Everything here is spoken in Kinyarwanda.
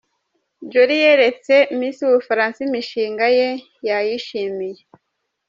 Jolly yeretse Miss w’u Bufaransa imishinga ye, yayishimiye.